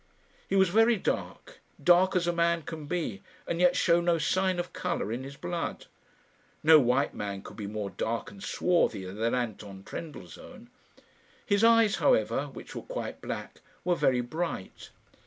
He was very dark dark as a man can be, and yet show no sign of colour in his blood. No white man could be more dark and swarthy than Anton Trendellsohn. His eyes, however, which were quite black, were very bright.